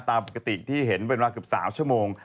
ตามปกติที่เห็นเป็นว่า๓ชั่วโมง